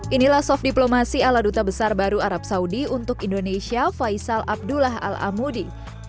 inilah soft diplomasi ala duta besar baru arab saudi untuk indonesia faisal abdullah al amudi